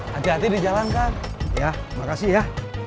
hati hati dijalankan ya makasih ya